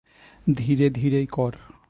ধীরে ধীরেই কর।